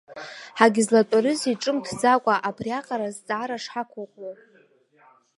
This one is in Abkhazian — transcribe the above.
Ҳагьзлатәарызеи ҿымҭӡакәа абриаҟара зҵаара шҳақәыӷәӷәо?!